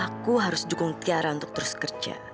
aku harus dukung tiara untuk terus kerja